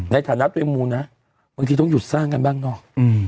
ในฐานะตัวเองมูลนะบางทีต้องหยุดสร้างกันบ้างเนาะ